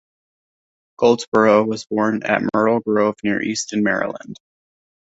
Goldsborough was born at "Myrtle Grove" near Easton, Maryland.